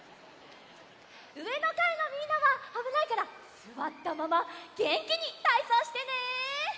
うえのかいのみんなはあぶないからすわったままげんきにたいそうしてね！